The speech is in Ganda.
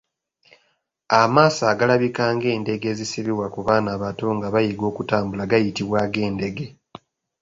Amaaso agalabika ng’endege ezissibwa ku baana abato nga bayiga okutambula gayitibwa ag’endege.